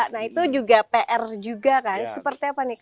nah itu juga pr juga kan seperti apa nih